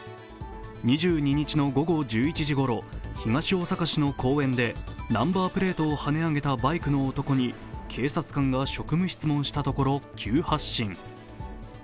２２日の午後１１時ごろ、ナンバープレートを跳ね上げたバイクの男に警察官が職務質問したところ急発進。